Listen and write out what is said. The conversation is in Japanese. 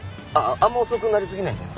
あんま遅くなりすぎないでね。